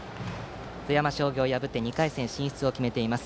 富山商業を破って２回戦進出を決めています。